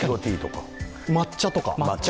抹茶とか。